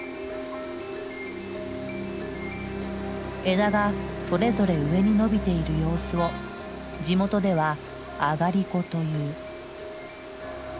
枝がそれぞれ上に伸びている様子を地元では「あがりこ」という。